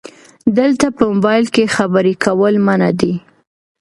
دلته په مبایل کې خبرې کول منع دي 📵